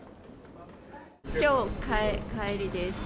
きょう、帰りです。